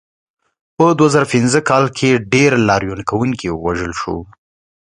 په دوه زره پنځه کال کې ډېر لاریون کوونکي ووژل شول.